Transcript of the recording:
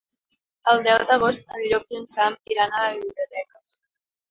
El deu d'agost en Llop i en Sam iran a la biblioteca.